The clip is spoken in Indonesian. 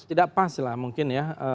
tidak pas lah mungkin ya